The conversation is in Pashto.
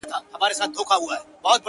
ور ښکاره یې کړې تڼاکي د لاسونو،